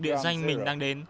địa danh mình đang đến